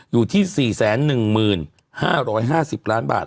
อยู่ที่๔๑๕๕๐ล้านบาท